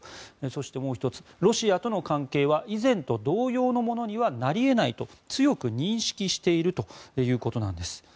そしてもう１つロシアとの関係は以前と同様のものにはなり得ないと強く認識しているということなんです。